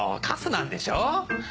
カスなんでしょ？